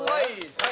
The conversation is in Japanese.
はい！